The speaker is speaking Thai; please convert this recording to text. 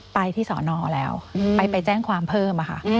ไปที่สอนอแล้วไปแจ้งความเพิ่มค่ะ